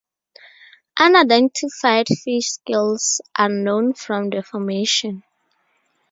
Unidentified fish scales are known from the formation.